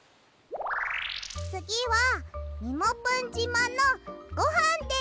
つぎはみもぷんじまのごはんです。